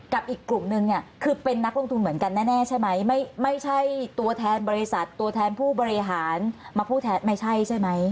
อีกกลุ่มนึงเนี่ยคือเป็นนักลงทุนเหมือนกันแน่ใช่ไหมไม่ใช่ตัวแทนบริษัทตัวแทนผู้บริหารมาผู้แทนไม่ใช่ใช่ไหม